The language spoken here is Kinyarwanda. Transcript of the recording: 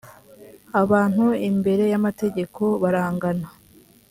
abantu imbere yamategeko barangana.